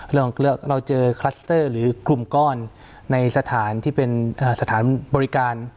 เราเจอคลัสเตอร์หรือกลุ่มก้อนในสถานที่เป็นสถานบริการ